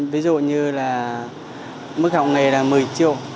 ví dụ như là mức học nghề là một mươi triệu